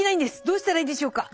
どうしたらいいでしょうか？」。